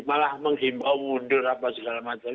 malah menghimbau mundur apa segala macam